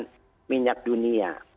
dan minyak dunia